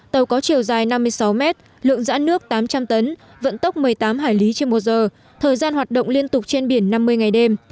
tàu có chiều dài năm mươi sáu mét lượng dã nước tám trăm linh tấn vận tốc một mươi tám hải lý trên một giờ thời gian hoạt động liên tục trên biển năm mươi ngày đêm